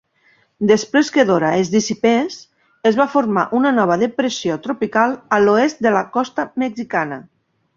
Després que Dora es dissipés, es va formar una nova depressió tropical a l'oest de la costa mexicana.